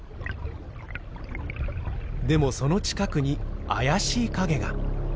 でもその近くに怪しい影が。